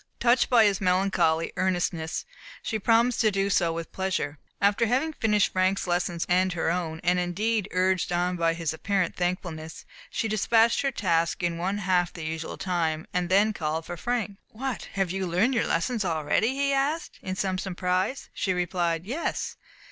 Touched by his melancholy earnestness, she promised to do so with pleasure, after having finished Frank's lessons and her own; and indeed, urged on by his apparent thankfulness, she dispatched her task in one half the usual time, and then called for Frank. "What! have you learned your lessons already?" he asked, in some surprise. She replied, "Yes."